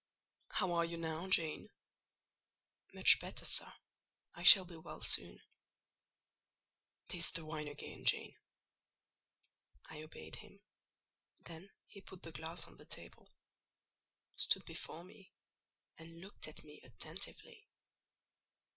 "How are you now, Jane?" "Much better, sir; I shall be well soon." "Taste the wine again, Jane." I obeyed him; then he put the glass on the table, stood before me, and looked at me attentively.